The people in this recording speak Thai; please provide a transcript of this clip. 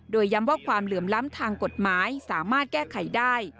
โดยย้ำว่าความเหลื่อมล้ำทางกฎหมายสามารถแก้ไขได้